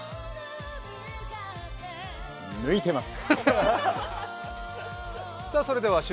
抜いてます。